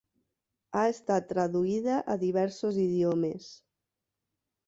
Ha estat traduïda a diversos idiomes.